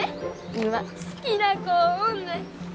今好きな子おんねん！